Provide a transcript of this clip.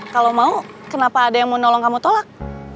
kalau mau kenapa ada yang mau nolong kamu tolak